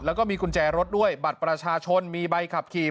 แล้วก็มีกุญแจรถด้วยบัตรประชาชนมีใบขับขี่